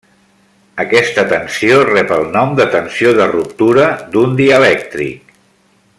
Aquesta tensió rep el nom de tensió de ruptura d'un dielèctric.